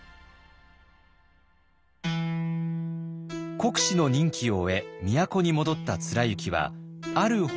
国司の任期を終え都に戻った貫之はある本を書き始めます。